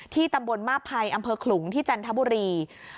ตำบลมาบภัยอำเภอขลุงที่จันทบุรี